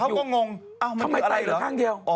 งงทำไมไตเหลือข้างเดียว